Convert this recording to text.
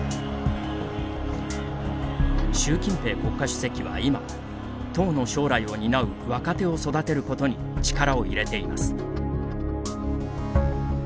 習近平国家主席は、今党の将来を担う若手を育てることに力を入れています。